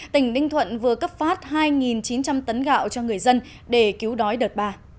tỉnh ninh thuận vừa cấp phát hai chín trăm linh tấn gạo cho người dân để cứu đói đợt ba